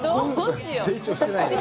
成長してない？